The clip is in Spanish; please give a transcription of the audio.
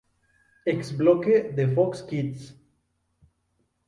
Ex-bloque de Fox Kids.